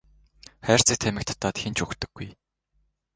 Хайрцаг тамхи татаад хэн ч үхдэггүй.